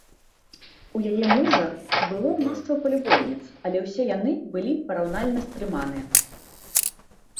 У яе мужа было мноства палюбоўніц, але ўсе яны былі параўнальна стрыманыя.